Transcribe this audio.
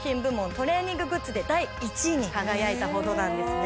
トレーニンググッズで第１位に輝いたほどなんですね